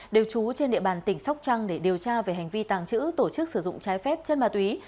đều trú trên địa bàn tỉnh sóc trăng để điều tra về hành vi tàng trữ tổ chức sử dụng trái phép chất ma túy